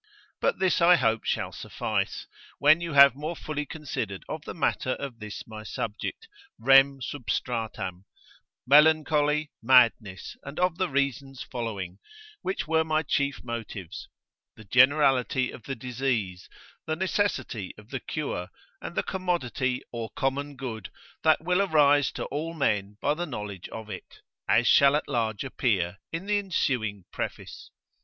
But this I hope shall suffice, when you have more fully considered of the matter of this my subject, rem substratam, melancholy, madness, and of the reasons following, which were my chief motives: the generality of the disease, the necessity of the cure, and the commodity or common good that will arise to all men by the knowledge of it, as shall at large appear in the ensuing preface.